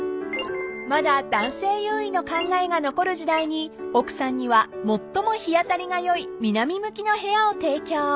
［まだ男性優位の考えが残る時代に奥さんには最も日当たりが良い南向きの部屋を提供］